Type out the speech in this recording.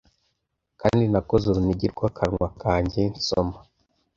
kandi nakoze urunigi rw'akanwa kanjye nsoma